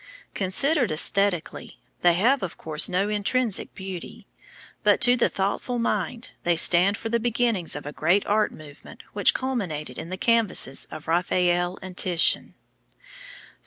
Considered æsthetically, they have of course no intrinsic beauty; but to the thoughtful mind they stand for the beginnings of a great art movement which culminated in the canvases of Raphael and Titian.